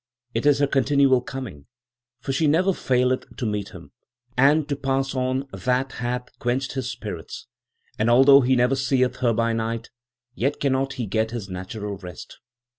It is her continual coming; for she never faileth to meet him, and to pass on, that hath quenched his spirits; and although he never seeth her by night, yet cannot he get his natural rest.'